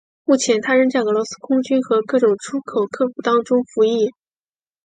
目前它仍在俄罗斯空军和各种出口客户当中服役。